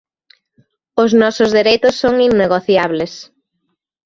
Os nosos dereitos son innegociables!